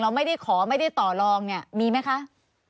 เราไม่ได้ขอไม่ได้ต่อรองมีไหมคะ